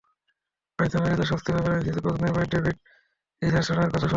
পাকিস্তানিরা কিছুটা স্বস্তি পাবেন আইসিসির প্রধান নির্বাহী ডেভিড রিচার্ডসনের কথা শুনলেও।